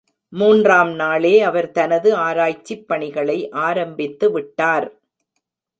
மூன்றாம் நாளே அவர் தனது ஆராய்ச்சிப் பணிகளை ஆரம்பித்து விட்டார்.